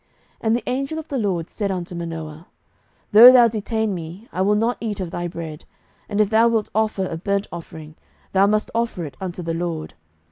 07:013:016 And the angel of the LORD said unto Manoah, Though thou detain me, I will not eat of thy bread: and if thou wilt offer a burnt offering, thou must offer it unto the LORD.